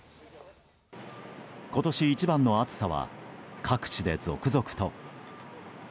今年一番の暑さは各地で続々と。